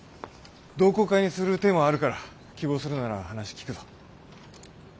同好会にする手もあるから希望するなら話聞くぞ。